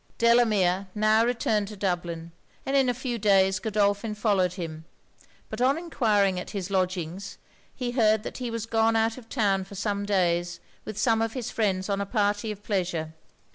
Delamere now returned to Dublin; and in a few days Godolphin followed him: but on enquiring at his lodgings, he heard that he was gone out of town for some days with some of his friends on a party of pleasure.